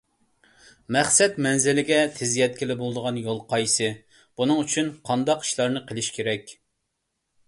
مەقسەت مەنزىلىگە تېز يەتكىلى بولىدىغان يول قايسى، بۇنىڭ ئۈچۈن قانداق ئىشلارنى قىلىش كېرەك؟